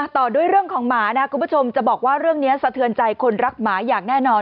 ต่อด้วยเรื่องของหมานะคุณผู้ชมจะบอกว่าเรื่องนี้สะเทือนใจคนรักหมาอย่างแน่นอน